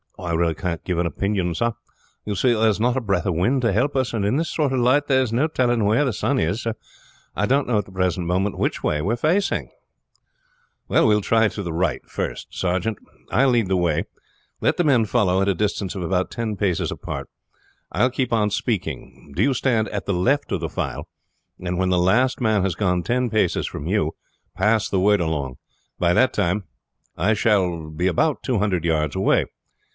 "I really can't give an opinion, sir. You see there is not a breath of wind to help us, and in this sort of light there is no telling where the sun is, so I don't know at the present moment which way we are facing." "Well, we will try to the right first, sergeant," Ralph said. "I will lead the way. Let the men follow at a distance of about ten paces apart. I will keep on speaking. Do you stand at the left of the file, and when the last man has gone ten paces from you pass the word along. By that time I shall be about two hundred yards away.